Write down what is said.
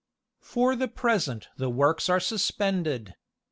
For the present the works are suspended.